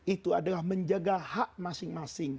itu adalah menjaga hak masing masing